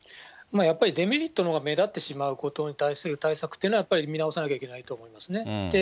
やっぱりデメリットのほうが目立ってしまうことに対する対策っていうのは、やっぱり見直さなきゃいけないと思うんですよね。